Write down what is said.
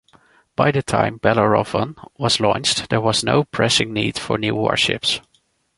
By the time "Bellerophon" was launched, there was no pressing need for new warships.